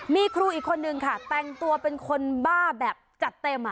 มีครูอีกคนนึงค่ะแต่งตัวเป็นคนบ้าแบบจัดเต็ม